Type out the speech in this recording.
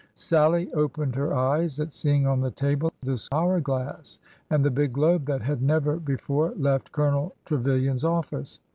Sal lie opened her eyes at seeing on the table the hour glass and the big globe that had never before left Colonel Tre vilian's office.